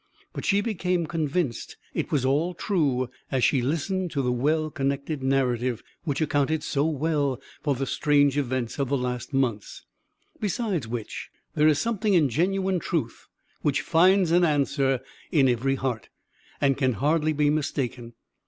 But she became convinced it was all true, as she listened to the well connected narrative, which accounted so well for the strange events of the last months; besides which, there is something in genuine truth which finds an answer in every heart, and can hardly be mistaken.